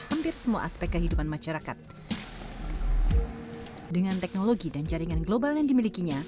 untuk membantu masyarakat yang terdampak